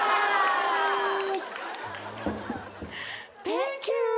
サンキュー！